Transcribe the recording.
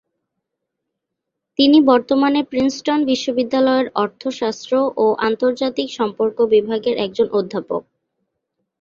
তিনি বর্তমানে প্রিন্সটন বিশ্ববিদ্যালয়ের অর্থশাস্ত্র ও আন্তর্জাতিক সম্পর্ক বিভাগের একজন অধ্যাপক।